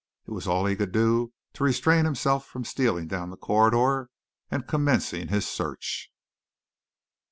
It was all he could do to restrain himself from stealing down the corridor and commencing his search.